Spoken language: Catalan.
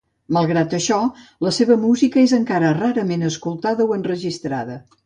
Malgrat això la seva música és encara rarament escoltada o enregistrada.